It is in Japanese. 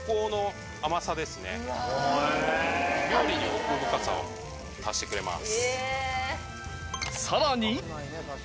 料理に奥深さを足してくれます。